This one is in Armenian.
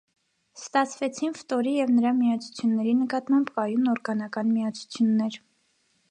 Ստացվեցին ֆտորի և նրա միացությունների նկատմամբ կայուն օրգանական միացություններ։